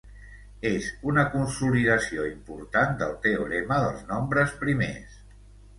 És una consolidació important del teorema dels nombres primers.